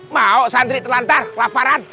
mau santri telantar laparan